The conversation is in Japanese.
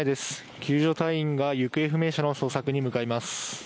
救助隊員が行方不明者の捜索に向かいます。